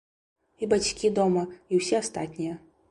І бацькі дома, і ўсе астатнія.